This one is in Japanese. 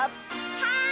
はい！